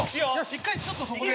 １回ちょっとそこで。